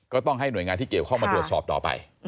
ต้องให้หน่วยงานที่เกี่ยวข้องมาตรวจสอบต่อไป